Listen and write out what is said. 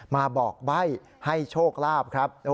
มาบอกใบ้ให้โชคลาภครับ